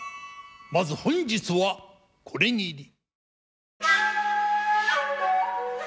まず本日はこれぎり。